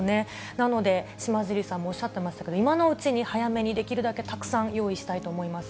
なので、島尻さんもおっしゃってましたけど、今のうちに、早めに用意したいと思います。